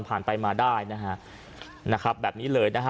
ไปมาได้นะฮะนะครับแบบนี้เลยนะฮะ